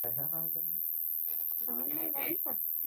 এখন সর্বদাই নিরপরাধে এবং অবিচারে নীলমণিকে কঠিন দণ্ড ভোগ করিতে হইত।